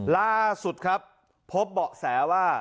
ล่าสุดครับพบเบาะแสว่า